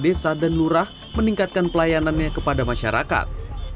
desa dan lurah meningkatkan pelayanannya kepada masyarakat